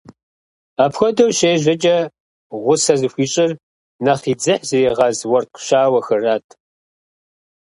Апхуэдэу щежьэкӀэ гъусэ зыхуищӀыр нэхъ и дзыхь зригъэз уэркъ щауэхэрат.